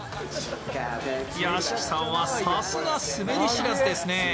屋敷さんはさすが、滑り知らずですね。